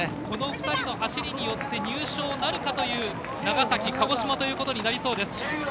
この２人によって入賞なるかという長崎、鹿児島ということになりそうです。